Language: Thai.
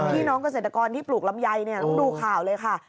พี่น้องเกษตรกรที่ปลูกลำไยต้องดูข่าวเลยค่ะ